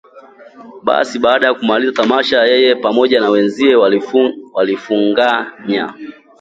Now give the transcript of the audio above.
Basi baada ya kumaliza tamasha yeye pamoja na wenziwe walifunganya